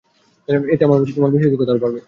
এতে আমার প্রতি তোমার বিশ্বাসযোগ্যতা আরো বাড়বে।